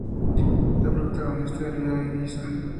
La protagonista del video es Isa.